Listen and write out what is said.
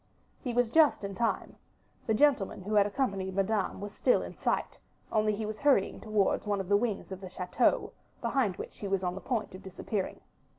He was just in time; the gentleman who had accompanied Madame was still in sight; only he was hurrying towards one of the wings of the chateau, behind which he was on the point of disappearing.